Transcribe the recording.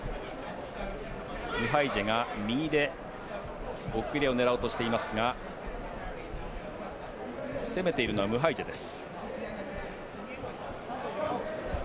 ムハイジェが右で奥襟を狙おうとしていますが攻めているのはムハイジェです。